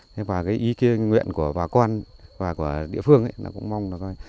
thế bà ý kiến nguyện của bà con và của địa phương cũng mong là có